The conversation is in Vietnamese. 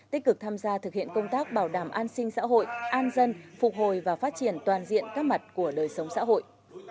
tích cực tham gia thực hiện công tác bảo đảm an sinh xã hội an dân phục hồi và phát triển toàn diện các mặt của đời sống xã hội